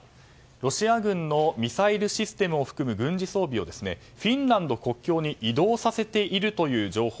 ロシア軍のミサイルシステムを含む軍事装備をフィンランド国境に移動させているという情報